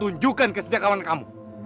tunjukkan kesediakan kamu